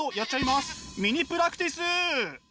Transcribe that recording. ミニプラクティス！